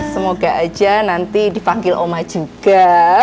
semoga aja nanti dipanggil oma juga